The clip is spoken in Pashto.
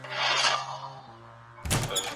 زه اوږده وخت کور پاکوم وم.